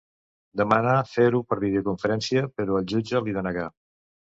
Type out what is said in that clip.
Demanà fer-ho per videoconferència, però el jutge li denegà.